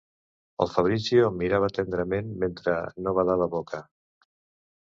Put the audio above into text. El Fabrizio em mirava tendrament mentre no badava boca.